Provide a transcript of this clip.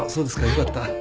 よかった。